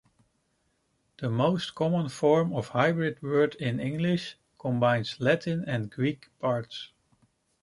The most common form of hybrid word in English combines Latin and Greek parts.